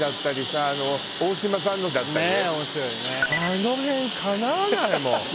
あの辺かなわないもん。